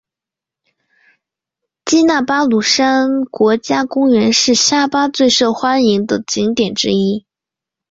基纳巴卢山国家公园是沙巴最受欢迎的景点之一。